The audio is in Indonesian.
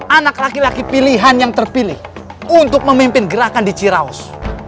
anak laki laki pilihan yang terpilih untuk memimpin gerakan di ciraus